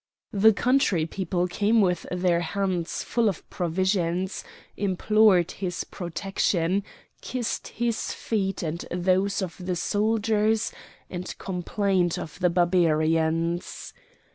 The country people came with their hands full of provisions, implored his protection, kissed his feet and those of the soldiers, and complained of the Barbarians.